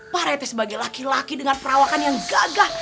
pak rete sebagai laki laki dengan perawakan yang gagah